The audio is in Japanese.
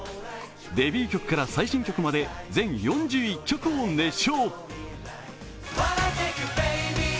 デビュー曲から最新曲まで全４１曲を熱唱。